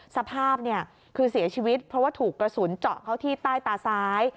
สภาพคือเสียชีวิตเพราะว่าถูกกระสุนเจาะเข้าที่ใต้ตาซ้าย